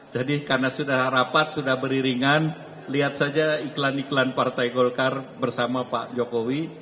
jadi karena sudah rapat sudah beriringan lihat saja iklan iklan partai golkar bersama pak jokowi